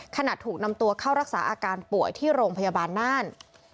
ถูกนำตัวเข้ารักษาอาการป่วยที่โรงพยาบาลน่าน